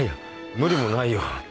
無理もないよ。